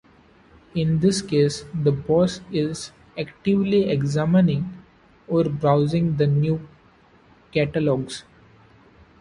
In this case, the boss is actively examining or browsing the new catalogues.